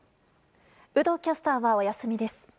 有働キャスターはお休みです。